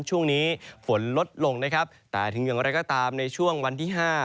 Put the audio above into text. ช่วงนี้ฝนลดลงนะครับแต่ถึงอย่างไรก็ตามในช่วงวันที่๕